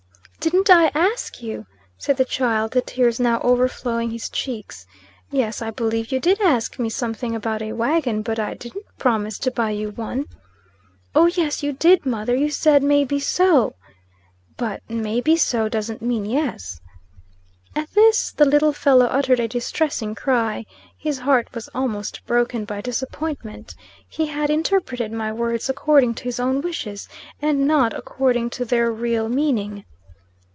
"Didn't I ask you?" said the child, the tears now overflowing his cheeks. "Yes, I believe you did ask me something about a wagon; but I didn't promise to buy you one." "Oh, yes you did, mother. You said may be so." "But 'may be so' doesn't mean yes." At this the little fellow uttered a distressing cry. His heart was almost broken by disappointment. He had interpreted my words according to his own wishes, and not according to their real meaning.